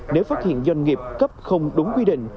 nếu phát hiện doanh nghiệp cấp không đúng quy định